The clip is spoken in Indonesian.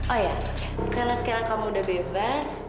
oh ya karena sekarang kamu udah bebas